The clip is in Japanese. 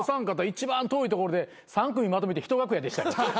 一番遠い所で３組まとめて一楽屋でしたよ。